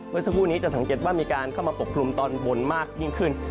เมื่อสักครู่นี้จะสังเกตว่ามีการเข้ามาปกคลุมตอนบนมากยิ่งขึ้น